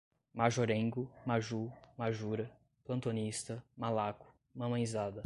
majorengo, majú, majura, plantonista, malaco, mamãezada